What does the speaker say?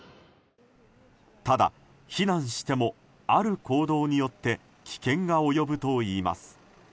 ただ、避難してもある行動によって危険が及ぶといいます。